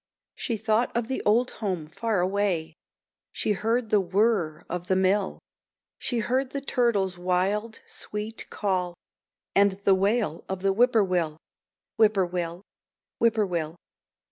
She thought of the old home far away; She heard the whr r r of the mill; She heard the turtle's wild, sweet call, And the wail of the whip poor will, whip poor will, whip poor will.